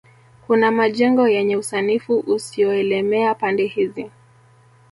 Kuna majengo yenye usanifu usioelemea pande hizi